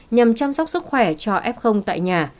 nhằm chăm sóc sức khỏe cho f tại nhà